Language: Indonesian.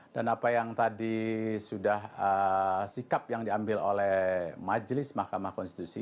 dan apa yang tadi sudah sikap yang diambil oleh majelis mahkamah konstitusi